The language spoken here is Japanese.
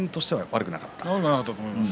悪くなかったと思います。